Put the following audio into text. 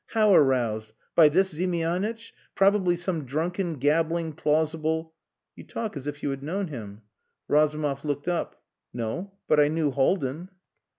How aroused? By this Ziemianitch? Probably some drunken, gabbling, plausible..." "You talk as if you had known him." Razumov looked up. "No. But I knew Haldin."